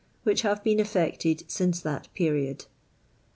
which have been effected since that period.